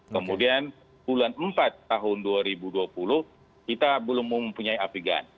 kemudian bulan empat tahun dua ribu dua puluh kita belum mempunyai apigan